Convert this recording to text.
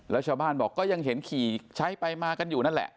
แล้วชาวบ้านบอกก็ยังเห็นขี่ใช้ไปมากันอยู่นั่นแหละ